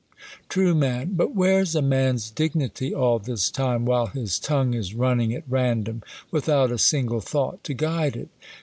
7ru, But whcrc's a man's dignity, all this time, while his tongue i.s running at random, without a single nought to guide it